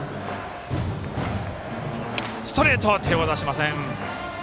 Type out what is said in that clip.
ストレート手を出しません。